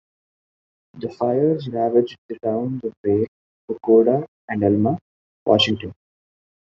The fires ravaged the towns of Vale, Bucoda, and Elma, Washington.